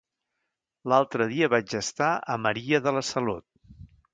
L'altre dia vaig estar a Maria de la Salut.